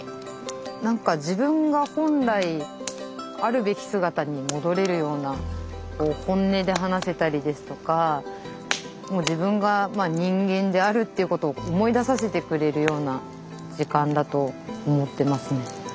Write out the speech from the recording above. なんか自分が本来あるべき姿に戻れるような本音で話せたりですとか自分が人間であるということを思い出させてくれるような時間だと思ってますね。